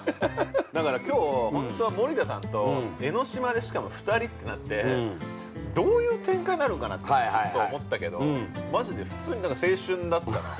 ◆だから、きょう、ほんとは森田さんと江の島でしかも２人ってなってどういう展開になるんかなと思ったけどマジで、普通に青春だったなと。